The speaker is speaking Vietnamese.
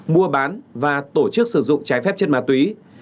mua bán và tổ chức sử dụng trái phép chất ma túy